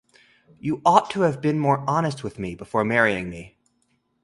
You ought to have been more honest with me before marrying me.